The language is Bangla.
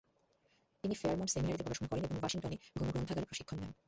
তিনি ফেয়ারমন্ট সেমিনারিতে পড়াশোনা করেন এবং ওয়াশিংটনে গণগ্রন্থাগারের প্রশিক্ষণ নেন।